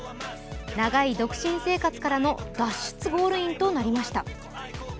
長い独身生活からの脱出ゴールインとなりました。